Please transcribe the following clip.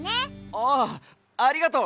ああありがとう！